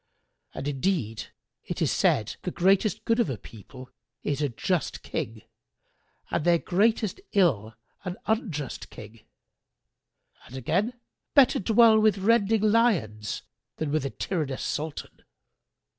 and indeed it is said, 'The greatest good of a people is a just King and their greatest ill an unjust King'; and again, 'Better dwell with rending lions than with a tyrannous Sultan.'